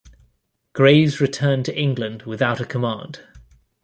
Graves returned to England without a command.